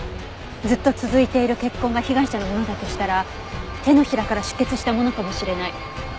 ずっと続いている血痕が被害者のものだとしたら手のひらから出血したものかもしれない。